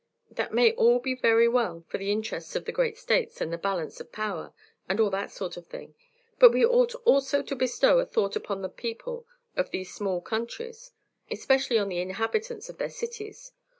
"That may all be very well for the interests of the great states, and the balance of power, and all that sort of thing; but we ought also to bestow a thought upon the people of these small countries, especially on the inhabitants of their cities.